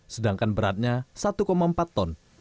sedangkan beratnya satu empat ton